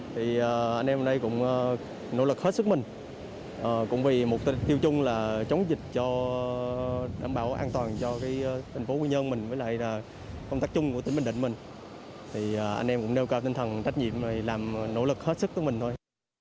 thì anh em ở đây cũng nỗ lực hết sức mình cũng vì mục tiêu chung là chống dịch cho đảm bảo an toàn cho thành phố quy nhơn mình với lại công tác chung của tỉnh bình định mình thì anh em cũng nêu cao tinh thần trách nhiệm rồi làm nỗ lực hết sức của mình thôi